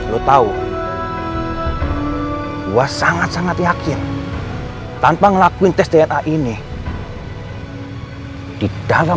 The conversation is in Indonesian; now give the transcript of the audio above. lo tahu lo sangat sangat yakin tanpa ngelakuin tes dna ini di dalam